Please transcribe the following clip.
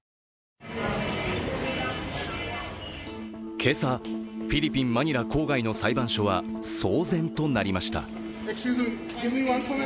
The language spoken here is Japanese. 今朝、フィリピン・マニラ郊外の裁判所は騒然となりました。